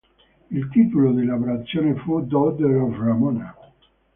Il titolo di lavorazione fu "Daughter of Ramona".